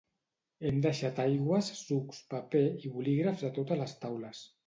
Hem deixat aigües, sucs, paper i bolígrafs a totes les taules.